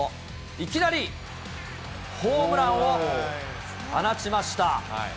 いきなりホームランを放ちました。